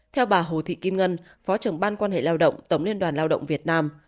theo bà hồ thị kim ngân phó trưởng ban quan hệ lao động tổng liên đoàn lao động việt nam